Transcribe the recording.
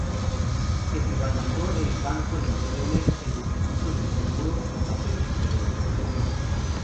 Se privatizó el Banco de Misiones, el Instituto del Seguro, y Papel Misionero.